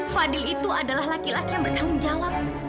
fadil itu adalah laki laki yang bertanggung jawab